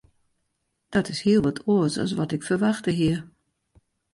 Dat is hiel wat oars as wat ik ferwachte hie.